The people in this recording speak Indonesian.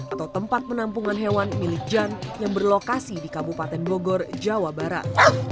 atau tempat penampungan hewan milik jan yang berlokasi di kabupaten bogor jawa barat